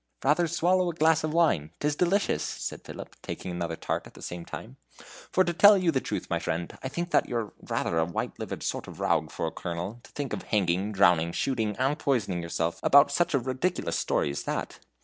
"Rather swallow a glass of wine 't is delicious," said Philip, taking another tart at the same time. "For to tell you the truth, my friend, I think you are rather a white livered sort of rogue for a colonel, to think of hanging, drowning, shooting, and poisoning yourself about such a ridiculous story as that.